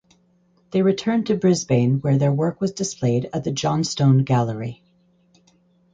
They returned to Brisbane where their work was displayed at the Johnstone Gallery.